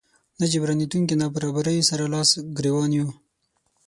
ناجبرانېدونکو نابرابريو سره لاس ګریوان يو.